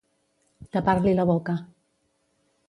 Tapar-li la boca.